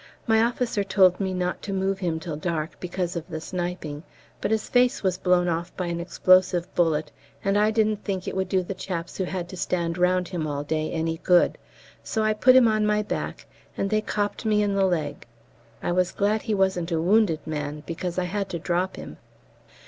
"My officer told me not to move him till dark, because of the sniping; but his face was blown off by an explosive bullet, and I didn't think it would do the chaps who had to stand round him all day any good, so I put him on my back, and they copped me in the leg. I was glad he wasn't a wounded man, because I had to drop him."